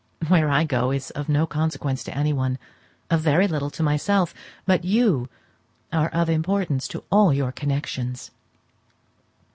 Where I go is of no consequence to anyone; of very little to myself; but you are of importance to all your connections."